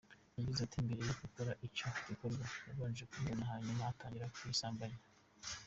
Yagize ati “Mbere y’uko akora icyo gikorwa yabanje kuyiboha hanyuma atangira kuyisambanya.